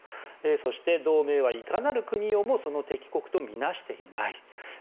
そして、同盟はいかなる国をもその敵国と見なしていない。